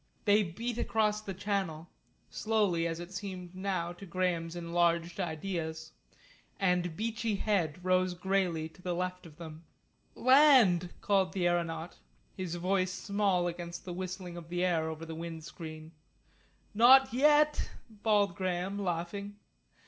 They beat across the Channel, slowly as it seemed now to Graham's enlarged ideas, and Beachy Head rose greyly to the left of them. "Land," called the aeronaut, his voice small against the whistling of the air over the wind screen. "Not yet," bawled Graham, laughing.